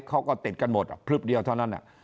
เขาก็ติดกันหมดพลึบเดียวเท่านั้น